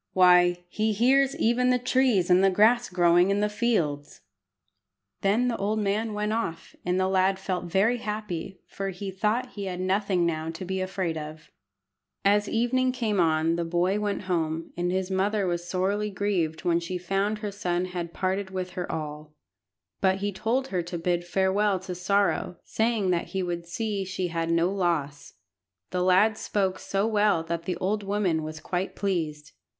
Why, he hears even the trees and the grass growing in the fields!" Then the old man went off, and the lad felt very happy, for he thought he had nothing now to be afraid of. As evening came on the boy went home, and his mother was sorely grieved when she found her son had parted with her all; but he told her to bid farewell to sorrow, saying that he would see she had no loss. The lad spoke so well that the old woman was quite pleased.